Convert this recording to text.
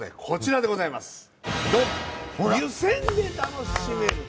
こちらでございます。